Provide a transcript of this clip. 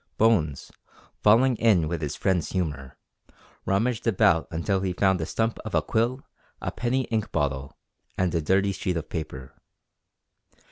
Bones, falling in with his friend's humour, rummaged about until he found the stump of a quill, a penny inkbottle, and a dirty sheet of paper.